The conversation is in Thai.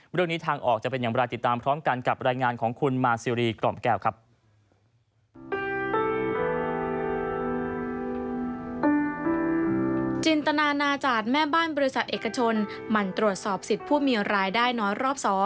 เรื่องนี้ทางออกจะเป็นอย่างรายติดตาม